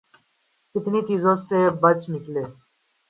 کتنی چیزوں سے بچ نکلے۔